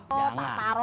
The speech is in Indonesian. kamu juga di luar